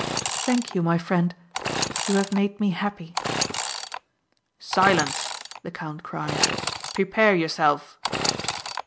"Thank you my friend. You have made me happy." "Silence," the count cried. "Prepare yourself."